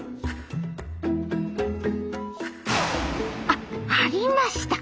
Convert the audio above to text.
☎あっありました！